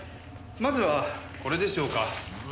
まずはこれでしょうか。